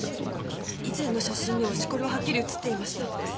以前の写真にはしこりははっきり写っていました。